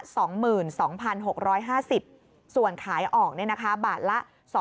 ส่วนขายออกเนี่ยนะคะบาทละ๒๒๗๕๐